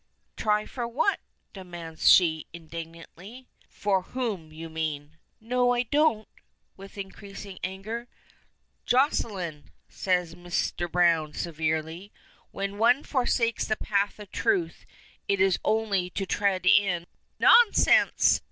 "Try for what?" demands she, indignantly. "For whom? You mean " "No, I don't," with increasing anger. "Jocelyne!" says Mr. Browne, severely. "When one forsakes the path of truth it is only to tread in " "Nonsense!"